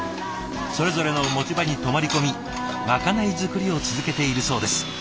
それぞれの持ち場に泊まり込みまかない作りを続けているそうです。